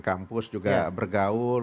di kampus juga bergaul